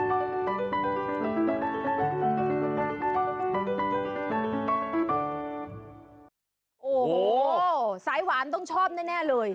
โอ้โหสายหวานต้องชอบแน่เลย